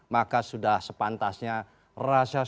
maka sudah sepantasnya rasa keadilan